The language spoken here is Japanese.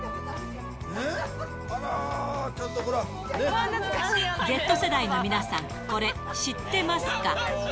あらー、Ｚ世代の皆さん、これ、知ってますか？